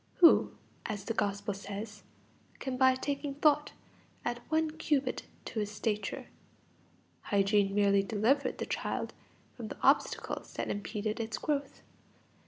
Who, as the Gospel says, can by taking thought add one cubit to his stature? Hygiene merely delivered the child from the obstacles that impeded its growth.